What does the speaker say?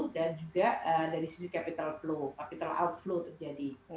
dan juga dari sisi capital outflow terjadi